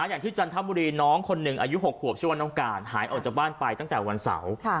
จันทบุรีน้องคนหนึ่งอายุ๖ขวบชื่อว่าน้องการหายออกจากบ้านไปตั้งแต่วันเสาร์